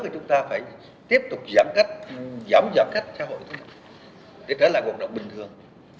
chúng ta phải tiếp tục giảm cách giảm giảm cách xã hội để trở lại cuộc đoạn bình thường